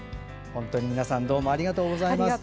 皆さんどうもありがとうございます。